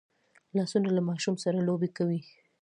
لاسونه له ماشوم سره لوبې کوي